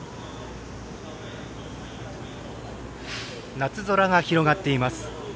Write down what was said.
夏空が広がっています。